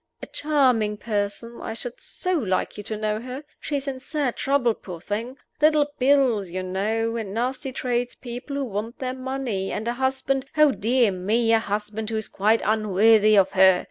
A charming person I should so like you to know her. She is in sad trouble, poor thing. Little bills, you know, and nasty tradespeople who want their money, and a husband oh, dear me, a husband who is quite unworthy of her!